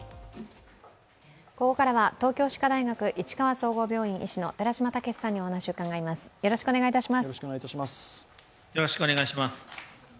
ここからは東京歯科大学市川総合病院医師の寺嶋毅さんにお話を伺います。